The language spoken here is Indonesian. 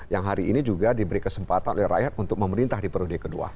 yang hari ini juga diberi kesempatan oleh rakyat untuk memerintah di periode kedua